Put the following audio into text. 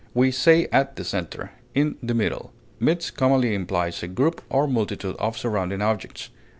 We say at the center; in the middle. Midst commonly implies a group or multitude of surrounding objects.